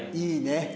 いいね。